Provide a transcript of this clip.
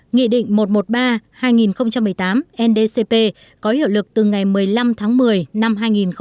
nghị định một trăm một mươi ba hai nghìn một mươi tám ndcp có hiệu lực từ ngày một mươi năm tháng một mươi năm hai nghìn một mươi chín